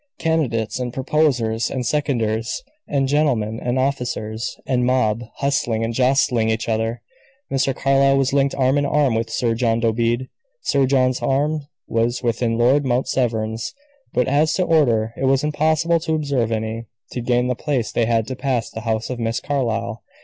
Candidates, and proposers and seconders, and gentlemen, and officers, and mob, hustling and jostling each other. Mr. Carlyle was linked arm in arm with Sir John Dobede; Sir John's arm was within Lord Mount Severn's but, as to order, it was impossible to observe any. To gain the place they had to pass the house of Miss Carlyle.